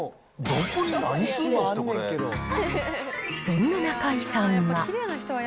どこに、そんな中井さんは。